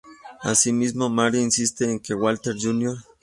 Asimismo, Marie insiste en que Walter Jr.